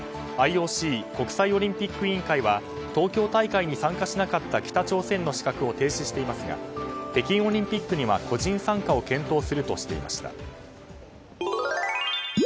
ＩＯＣ・国際オリンピック委員会は東京大会に参加しなかった北朝鮮の資格を停止していますが北京オリンピックには個人参加を検討するとしていました。